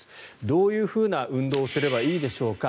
どういうふうな運動をすればいいでしょうか。